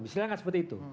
tidak tidak seperti itu